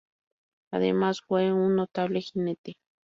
Además fue un notable jinete.